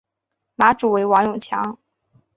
马主为王永强。